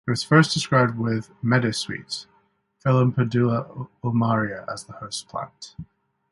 It was first described with meadowsweet ("Filipendula ulmaria") as the host plant.